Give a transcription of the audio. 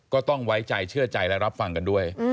ก็ต้องไว้ใจเชื่อใจและรับฟังกันด้วย